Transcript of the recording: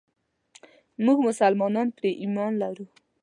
موږ مسلمانان پرې ايمان لرو.